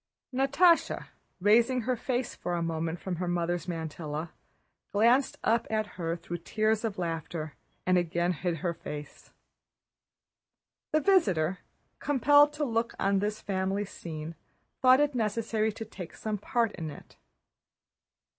Natásha, raising her face for a moment from her mother's mantilla, glanced up at her through tears of laughter, and again hid her face. The visitor, compelled to look on at this family scene, thought it necessary to take some part in it.